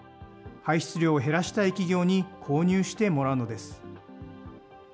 排出量を減らしたい企業に購入してもらうのです。